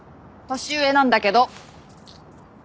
年上なんだけど。